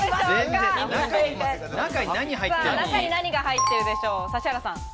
中に何が入っているでしょう？